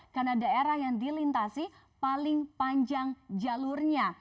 karena daerah yang dilintasi paling panjang jalurnya